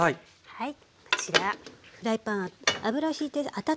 はい。